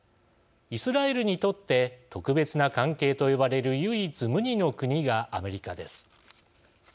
イスラエルにとって特別な関係と呼ばれる唯一無二の国がアメリカです。